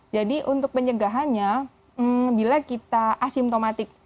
jadi untuk pencegahannya bila kita asimptomatik